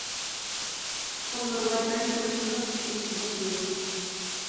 پۇت-قوللىرىغا جان كىرىپ قىلىق چىقىرىشقا باشلىدى.